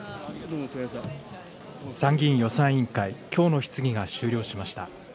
参議院予算委員会、きょうの質疑が終了しました。